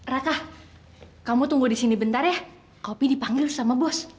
raka kamu tunggu di sini bentar ya kopi dipanggil sama bos